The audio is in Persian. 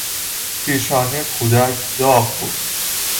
پیشانی کودک داغ بود.